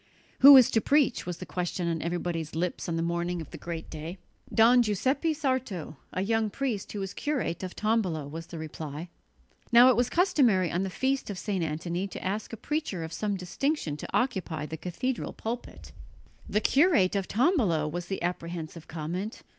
"Who is to preach?" was the question on everybody's lips on the morning of the great day. "Don Giuseppe Sarto, a young priest who is curate of Tombolo," was the reply. Now it was customary on the feast of St. Antony to ask a preacher of some distinction to occupy the cathedral pulpit. "The curate of Tombolo!" was the apprehensive comment.